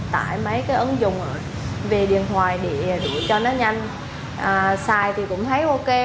tải mấy cái ứng dụng về điện thoại để cho nó nhanh xài thì cũng thấy ok